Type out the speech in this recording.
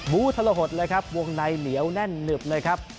ู้ทรหดเลยครับวงในเหนียวแน่นหนึบเลยครับ